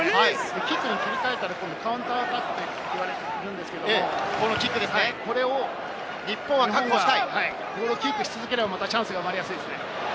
キックに切り替えたらカウンターと言われるんですけれども、これを日本はボールをキープし続ければチャンスが生まれやすいですね。